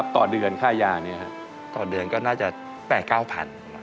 ต่อเดือนก็น่าจะ๘๙๐๐๐บาท